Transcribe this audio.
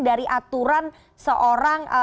dari aturan seorang